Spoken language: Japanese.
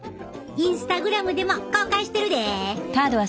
インスタグラムでも公開してるでえ。